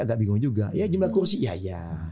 agak bingung juga ya jumlah kursi ya ya